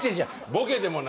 ボケでもない。